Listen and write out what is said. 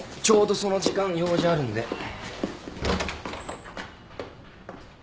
ちょうどその時間用事あるんで。